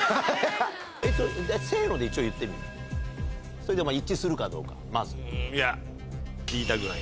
それで一致するかどうかまず。